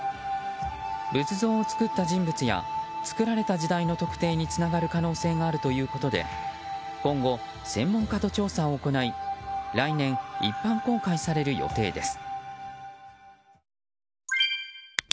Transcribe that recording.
仏像を作った人物や作られた時代の特定につながる可能性があるということで今後、専門家と調査を行い来年、一般公開される予定です。